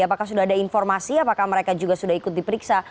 apakah sudah ada informasi apakah mereka juga sudah ikut diperiksa